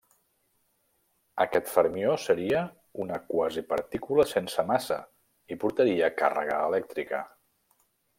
Aquest fermió seria una quasi partícula sense massa, i portaria càrrega elèctrica.